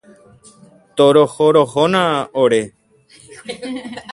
Torohorohóna ore.